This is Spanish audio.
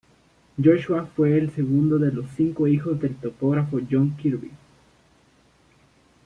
Joshua fue el segundo de los cinco hijos del topógrafo John Kirby.